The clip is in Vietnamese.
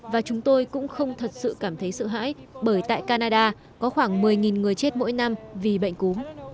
và chúng tôi cũng không thật sự cảm thấy sự hãi bởi tại canada có khoảng một mươi người chết mỗi năm vì bệnh cú